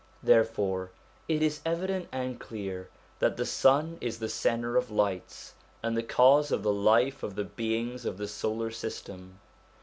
Therefore it is evident and clear that the sun is the centre of lights, and the cause of the life of the beings of the solar system.